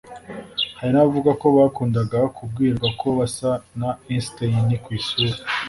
hari n’abavuga ko bakundaga kubwirwa ko basa na Einstein ku isura